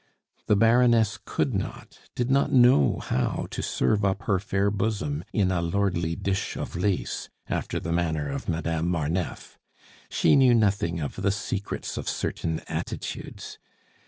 The Baroness could not did not know how to serve up her fair bosom in a lordly dish of lace, after the manner of Madame Marneffe. She knew nothing of the secrets of certain attitudes.